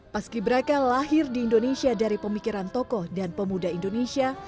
paski braka lahir di indonesia dari pemikiran tokoh dan pemuda indonesia